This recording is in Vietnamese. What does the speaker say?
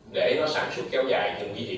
để nó sản xuất kéo dài